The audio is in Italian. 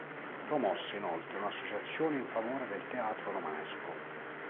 Promosse, inoltre, un'associazione in favore del teatro romanesco.